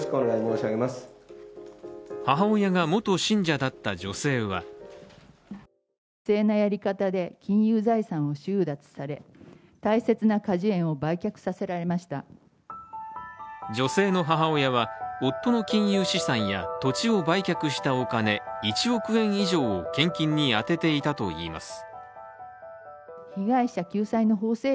母親が元信者だった女性は女性の母親は、夫の金融資産や土地を売却したお金、１億円以上を献金に充てていたといいます。